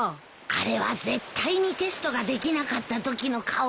あれは絶対にテストができなかったときの顔だよ。